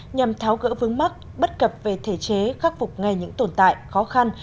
nhằm tháo gỡ vướng mắc bất cập về thể chế khắc phục ngay những tồn tại khó khăn